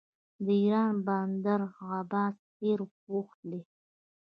د ایران بندر عباس ډیر بوخت دی.